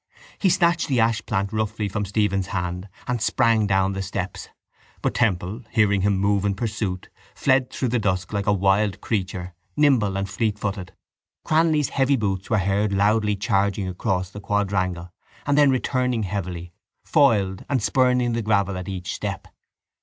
He snatched the ashplant roughly from Stephen's hand and sprang down the steps: but Temple, hearing him move in pursuit, fled through the dusk like a wild creature, nimble and fleet footed. Cranly's heavy boots were heard loudly charging across the quadrangle and then returning heavily, foiled and spurning the gravel at each step.